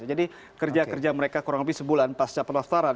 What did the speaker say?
jadi kerja kerja mereka kurang lebih sebulan pasca penastaran